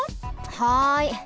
はい。